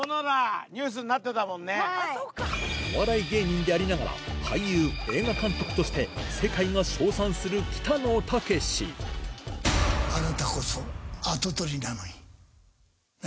お笑い芸人でありながら俳優映画監督として世界が称賛する北野武あなたこそ跡取りなのになぁ？